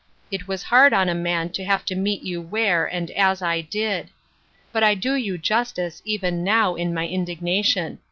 It was hard on a man to have to meet you where, and as I did. But I do you justice, even now, in my indignation.